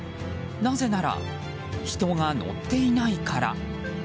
なぜなら人が乗っていないから。